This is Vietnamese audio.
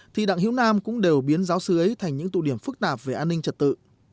thì đặng hữu nam cũng đều biến giáo sứ ấy thành những tụ điểm phức tạp về an ninh trật tự